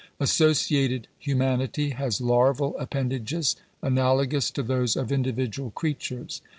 Associated humanity has larval appendages analo gous to those of individual creatures.